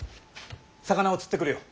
魚を釣ってくるよ。